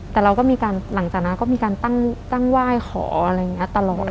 แต่เราก็มีการหลังจากนั้นก็มีการตั้งไหว้ขออะไรอย่างนี้ตลอด